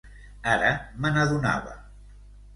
Ara me n'adonava.